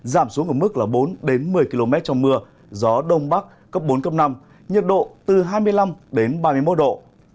giảm xuống ở mức bốn một mươi km trong mưa gió đông bắc cấp bốn năm nhiệt độ là từ hai mươi năm ba mươi một độ